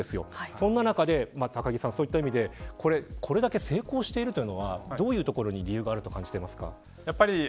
そんな中で、高木さんそういった意味でこれだけ成功しているというのはどういうところに理由があると感じていますか。